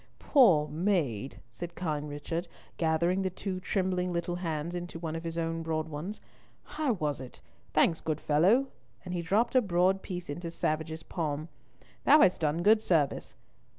"Poor maid," said kind Richard, gathering the two trembling little hands into one of his own broad ones. "How was it? Thanks, good fellow," and he dropped a broad piece into Savage's palm; "thou hast done good service.